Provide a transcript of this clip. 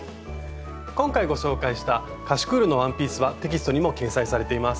今回ご紹介したカシュクールのワンピースはテキストにも掲載されています。